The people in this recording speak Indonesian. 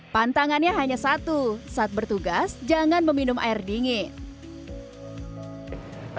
pantangannya hanya satu saat bertugas jangan meminum air dingin